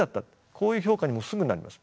こういう評価にもすぐなります。